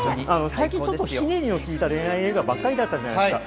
最近、ひねりの利いた恋愛映画ばかりだったじゃないですか。